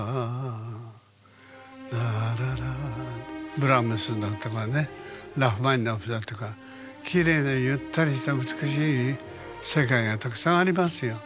ブラームスだとかねラフマニノフだとかきれいでゆったりした美しい世界がたくさんありますよ。